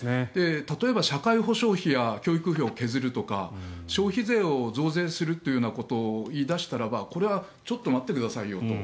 例えば社会保障費や教育費を削るとか消費税を増税することを言い出したならばこれはちょっと待ってくださいよと。